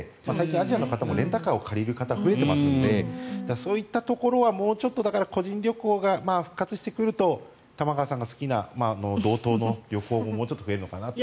アジアの方もレンタカーを借りる方が増えていますのでそういったところは個人旅行が復活してくると玉川さんが好きな道東の旅行ももうちょっと増えるのかなと。